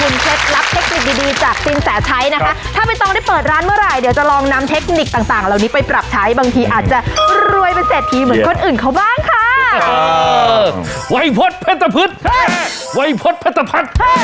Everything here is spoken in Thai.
นี่แหละค่ะก็ต้องบอกว่าขอบคุณเชฟรับเทคนิคดีจากสิ้นแสชัยนะคะ